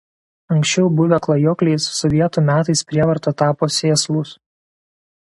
Anksčiau buvę klajokliais sovietų metais prievarta tapo sėslūs.